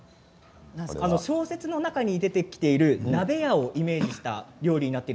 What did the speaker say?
小説に中に出てくる鍋屋をイメージしている料理です。